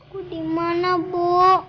aku di mana bu